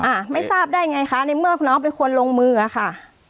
อ่ะไม่ทราบได้ไงคะในเมื่อน้องเป็นคนลงมืออะค่ะ